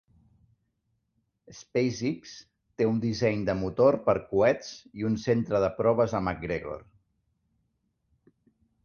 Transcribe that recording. SpaceX té un disseny de motor per coets i un centre de proves a McGregor.